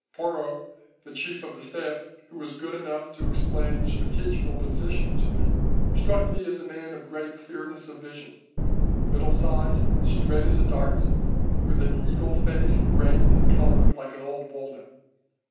Porro, the Chief of the Staff, who was good enough to explain the strategical position to me, struck me as a man of great clearness of vision, middle sized, straight as a dart, with an eagle face grained and coloured like an old walnut.